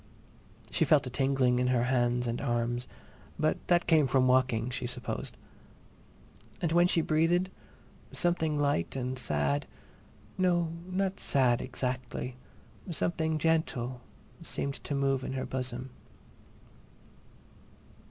She felt a tingling in her hands and arms, but that came from walking, she supposed. And when she breathed, something light and sad—no, not sad, exactly—something gentle seemed to move in her bosom.